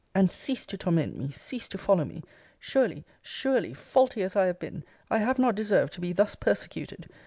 And cease to torment me, cease to follow me. Surely, surely, faulty as I have been, I have not deserved to be thus persecuted!